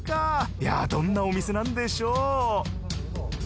いやぁどんなお店なんでしょう。